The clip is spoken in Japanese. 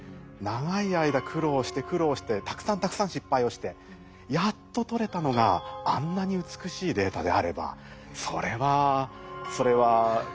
長い間苦労して苦労してたくさんたくさん失敗をしてやっと取れたのがあんなに美しいデータであればそれはそれはうれしいでしょうねっていうふうに私も思いますし。